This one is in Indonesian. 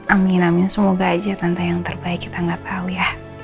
amin amin semoga aja tante yang terbaik kita nggak tahu ya